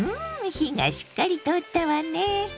火がしっかり通ったわね。